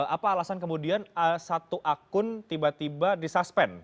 apa alasan kemudian satu akun tiba tiba di suspend